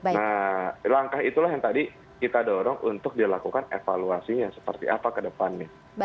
nah langkah itulah yang tadi kita dorong untuk dilakukan evaluasinya seperti apa ke depannya